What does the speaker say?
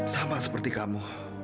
sama seperti kamu